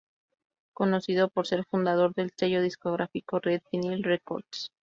Conocido por ser el fundador del sello discográfico Red Vinyl Records.